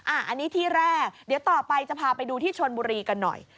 อันนี้ที่แรกเดี๋ยวต่อไปจะพาไปดูที่ชนบุรีกันหน่อย